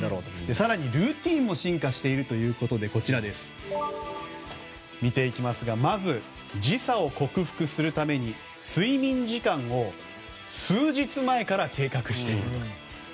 更に、ルーティンも進化しているということでまず、時差を克服するため睡眠時間を数日前から計画していると。